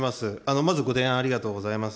まずご提案、ありがとうございます。